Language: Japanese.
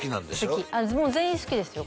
好き全員好きですよ